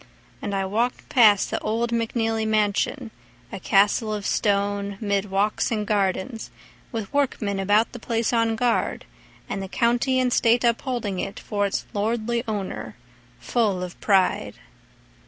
And I walked past the old McNeely mansion, A castle of stone 'mid walks and gardens With workmen about the place on guard And the County and State upholding it For its lordly owner, full of pride.